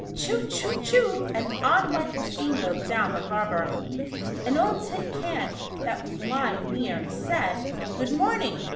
" Tchu, tchu, tchu," and on went the steamboat down the harbor. An old tin Can that was lying near, said, " Good morning.